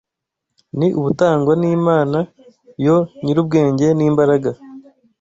ni ubutangwa n’Imana Yo “nyir’ubwenge n’imbaraga